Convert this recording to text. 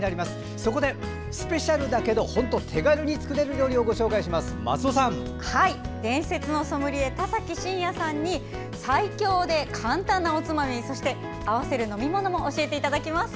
そこでスペシャルだけど手軽に作れる料理を伝説のソムリエ田崎真也さんに最強で簡単なおつまみそして合わせる飲み物も教えていただけます。